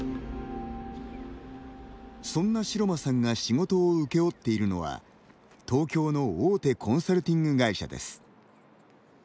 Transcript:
そんな城間さんが仕事を請け負っているのは東京の大手コンサルティング会社です。